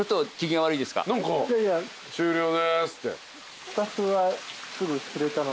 「終了です」って。